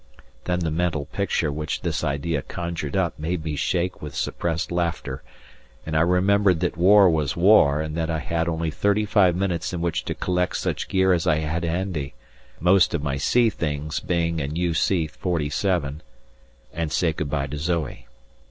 Then the mental picture which this idea conjured up made me shake with suppressed laughter and I remembered that war was war and that I had only thirty five minutes in which to collect such gear as I had handy most of my sea things being in U.C.47 and say goodbye to Zoe.